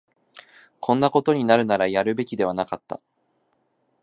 こんなことになるなら、やるべきではなかった